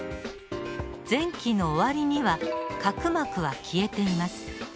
前期の終わりには核膜は消えています。